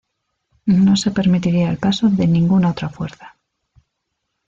No se permitiría el paso de ninguna otra fuerza.